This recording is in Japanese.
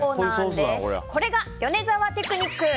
これが米澤テクニック！